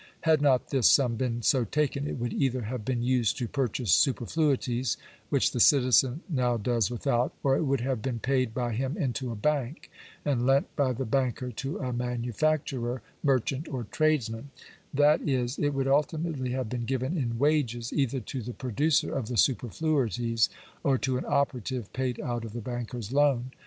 Had not this sum been so taken, it would either have been used to purchase superfluities, which the citizen now does without, or it would have been paid by him into a bank, and lent by the banker to a manufacturer, merchant, or tradesman ; that is, it would ultimately have been given in wages either to the producer of the superfluities or to an operative, paid out of the bankers loan.